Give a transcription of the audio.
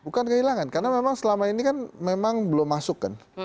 bukan kehilangan karena memang selama ini kan memang belum masuk kan